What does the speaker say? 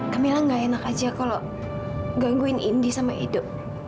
kamila nggak enak aja kalau gangguin indy sama edo